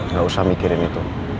gak usah mikirin itu